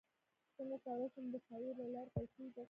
څنګه کولی شم د فایور له لارې پیسې وګټم